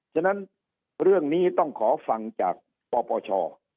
ฉะนั้นเรื่องนี้ต้องขอฟังจากปปช